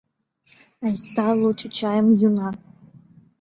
Айста лучо чайым йӱына.